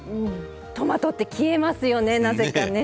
トマトって消えますよねなぜかね。ねえ。